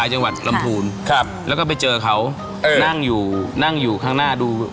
หลังจากนั้น๘ปี